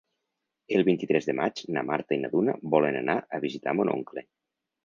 El vint-i-tres de maig na Marta i na Nura volen anar a visitar mon oncle.